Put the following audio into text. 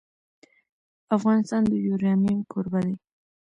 افغانستان د یورانیم کوربه دی.